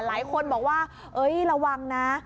หลายคนบอกว่าเอ้ยระวังนะ